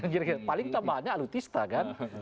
kira kira paling tambahannya alutista kan